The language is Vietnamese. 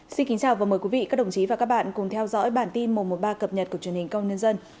xin kính chào và mời quý vị các đồng chí và các bạn cùng theo dõi bản tin một trăm một mươi ba cập nhật của truyền hình công nhân dân